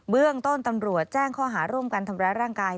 เรื่องต้นตำรวจแจ้งข้อหาร่วมกันทำร้ายร่างกาย